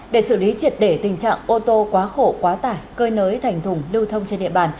để xử lý triệt để tình trạng ô tô quá khổ quá tải cơi nới thành thùng lưu thông trên địa bàn